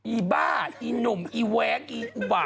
อีบ้าอีหนุ่มอีแว๊กอีบ่า